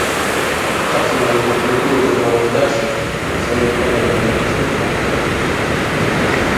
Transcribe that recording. Часам ён публікуе справаздачы аб сваіх палеанталагічных знаходках.